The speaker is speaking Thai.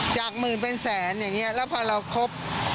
จากหมื่นเป็นแสนอย่างนี้แล้วพอเราครบ